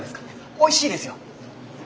おいしいですよ！